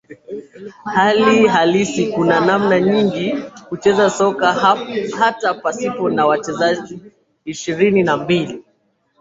Hali halisi kuna namna nyingi kucheza soka hata pasipo na wachezaji ishirini na mbili